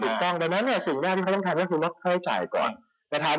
ถูกต้องดังนั้นเนี่ยสิ่งหน้าที่เขาต้องทำก็คือลดเครื่องจ่ายก่อน